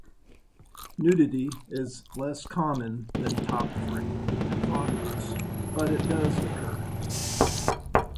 Nudity is less common than topfree and thong use, but it does occur.